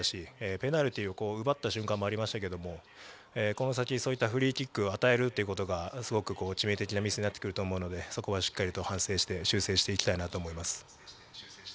ペナルティを奪ったところもありましたけどもこの先、そういったフリーキックを与えるということがすごく致命的なミスになってくると思うので、そこはしっかり反省して修正していきたいと思います。